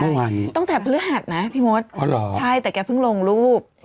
เมื่อวานนี้ตั้งแต่พฤหัสนะพี่มดอ๋อเหรอใช่แต่แกเพิ่งลงรูป